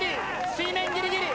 水面ギリギリ。